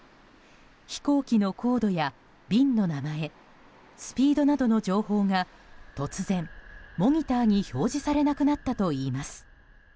飛行機の高度や便の名前スピードなどの情報が突然、モニターに表示されなくなったといいます。